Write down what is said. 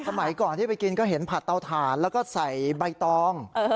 สมัยก่อนที่ไปกินก็เห็นผัดเตาถ่านแล้วก็ใส่ใบตอง